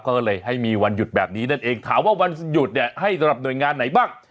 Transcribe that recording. ก็เลยให้มีวันหยุดแบบนี้นั่นเองถามว่าวันหยุดเนี่ยให้สำหรับหน่วยงานไหนบ้าง